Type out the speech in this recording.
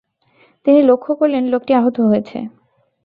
তিনি লক্ষ করলেন, লোকটি আহত হয়েছে।